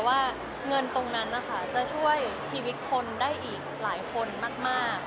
ว่าเงินตรงนั้นนะคะจะช่วยชีวิตคนได้อีกหลายคนมาก